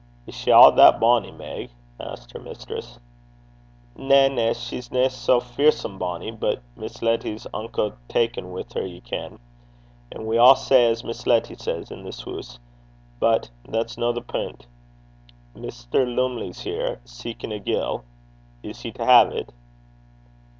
'Is she a' that bonny, Meg?' asked her mistress. 'Na, na, she's nae sae fearsome bonny; but Miss Letty's unco ta'en wi' her, ye ken. An' we a' say as Miss Letty says i' this hoose. But that's no the pint. Mr. Lumley's here, seekin' a gill: is he to hae't?'